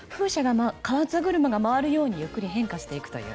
風車が回るようにゆっくり変化していくという。